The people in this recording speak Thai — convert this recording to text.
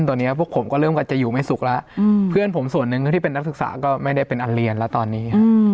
ตอนนี้พวกผมก็เริ่มจะอยู่ไม่สุขแล้วเพื่อนผมส่วนหนึ่งที่เป็นนักศึกษาก็ไม่ได้เป็นอันเรียนแล้วตอนนี้